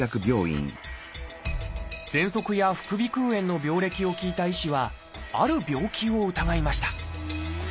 ぜんそくや副鼻腔炎の病歴を聞いた医師はある病気を疑いました